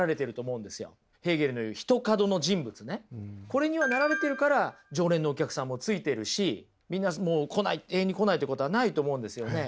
これにはなられてるから常連のお客さんもついてるしみんな来ない永遠に来ないということはないと思うんですよね。